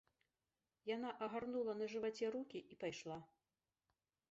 Яна агарнула на жываце рукі і пайшла.